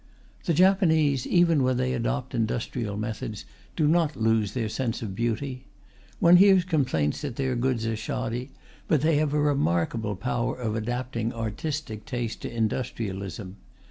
The Japanese, even when they adopt industrial methods, do not lose their sense of beauty. One hears complaints that their goods are shoddy, but they have a remarkable power of adapting artistic taste to industrialism.